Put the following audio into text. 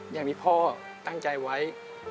อย่างที่พ่อตั้งใจไว้